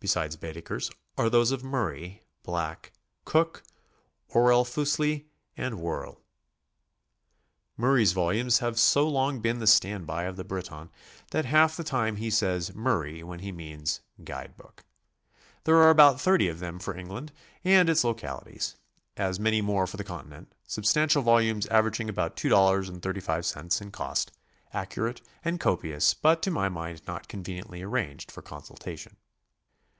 Be sides Baedeker's are those of Murray, Black, Cook, Orell Fussli and Woerl. Murray's volumes have so long been the stand by of the Briton that half the time he says "Murray" when he means "guide book," There are about 30 of them for England and SOMEWHAT LITERARY. 245 its localities, as many more for the Continent, substantial volumes averaging about $2.35 in cost, accurate and copious, but to my mind not conveniently arranged for consultation.